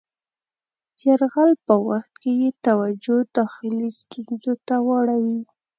یرغل په وخت کې یې توجه داخلي ستونزو ته واړوي.